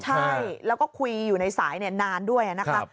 ใช่แล้วก็คุยอยู่ในสายนานด้วยนะคะ